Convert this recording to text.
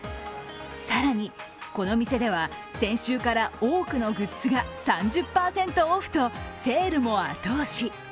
更に、この店では先週から多くのグッズが３０％オフとセールも後押し。